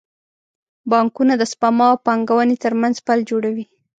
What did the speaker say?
بانکونه د سپما او پانګونې ترمنځ پل جوړوي.